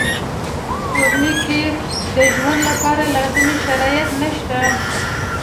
سپوږمۍ کې د ژوند لپاره لازم شرایط نشته